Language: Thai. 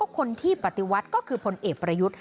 คนที่ปฏิวัติก็คือพลเอกประยุทธ์